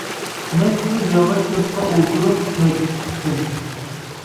مەن شۇ ياغاچ داسقا ئولتۇرۇپ قايتىپ چىقتىم.